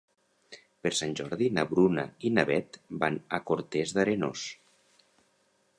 Per Sant Jordi na Bruna i na Beth van a Cortes d'Arenós.